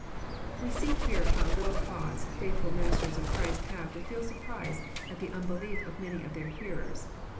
'* We see here how little cause faithfhl ministers of Christ have to feel surprise at the unbelief of many of their hearers.